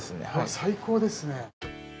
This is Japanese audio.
最高ですね。